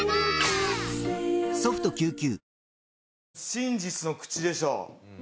真実の口でしょ。